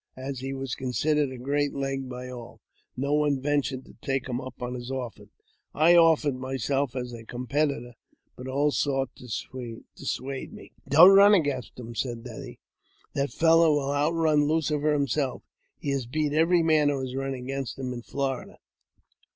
As he was considered a "great leg" by all, no one ventured to take up his offer. I offered myself as a competitor, but all sought to dissuade me. " Don't run against him," said they ;" that fellow will ' outrun Lucifer himself. He has beat every man who has run against him in Florida."